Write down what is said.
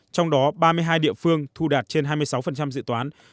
trong đó ba mươi hai địa phương thu đạt trên hai mươi sáu dự toán